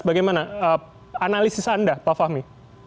bagaimana analisis anda pak fahmi